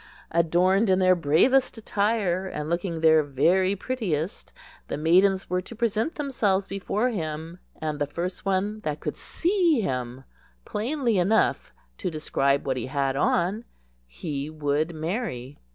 Adorned in their bravest attire, and looking their very prettiest, the maidens were to present themselves before him, and the first one that could see him plainly enough to describe what he had on, he would marry.